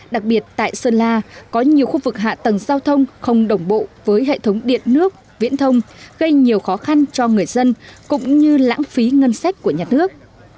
đặc biệt tại sơn la có nhiều khu vực hạ tầng giao thông không đồng bộ với hệ thống điện nước viễn thông gây nhiều khó khăn cho người dân cũng như lãng phí ngân sách của nhà nước